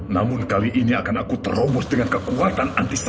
namun kali ini akan aku terobos dengan kekuatan antisipasi